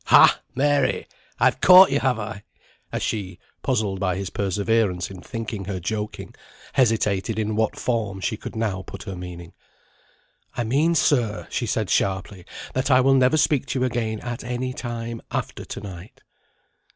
Ha, Mary! I've caught you, have I?" as she, puzzled by his perseverance in thinking her joking, hesitated in what form she could now put her meaning. "I mean, sir," she said, sharply, "that I will never speak to you again at any time, after to night."